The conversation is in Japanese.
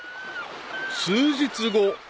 ［数日後］